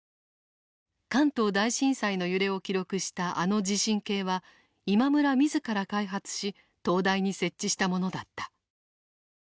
関東大震災の揺れを記録したあの地震計は今村自ら開発し東大に設置したものだった。